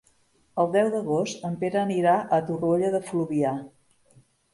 El deu d'agost en Pere anirà a Torroella de Fluvià.